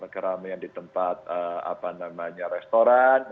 keramaian di tempat apa namanya restoran